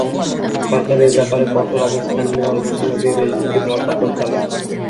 সরকার এ ব্যাপারে কঠোর অবস্থান নেওয়ার ঘোষণা দিয়ে দেশব্যাপী ধরপাকড় চালায়।